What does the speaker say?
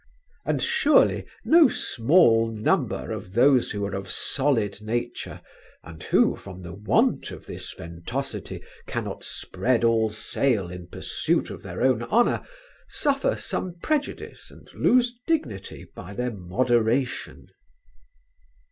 And surely no small number of those who are of solid nature, and who, from the want of this ventosity, cannot spread all sail in pursuit of their own honour, suffer some prejudice and lose dignity by their moderation."